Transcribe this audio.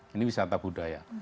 ini wisata budaya